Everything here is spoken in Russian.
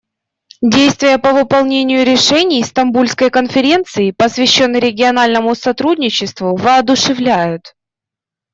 Действия по выполнению решений Стамбульской конференции, посвященной региональному сотрудничеству, воодушевляют.